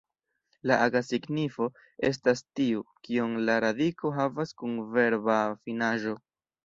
La aga signifo estas tiu, kiun la radiko havas kun verba finaĵo.